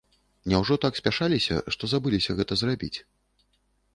Няўжо так спяшаліся, што забыліся гэта зрабіць.